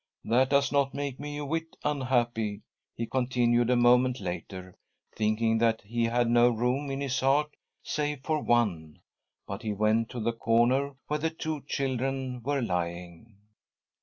That does not make me a whit unhappy," he continued, a moment later, thinking that he had ho room in his heart save for .one ; but he went to the corner where the two , children were lying.